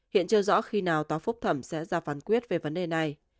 hiện chưa rõ khi nào tòa phúc thẩm sẽ ra phán quyết về vấn đề này